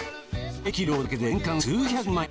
廃棄料だけで年間数百万円。